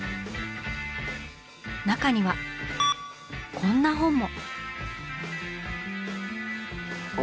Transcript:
中にはこんな本も。